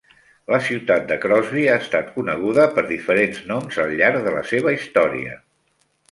La ciutat de Crosby ha estat coneguda per diferents noms al llarg de la seva història.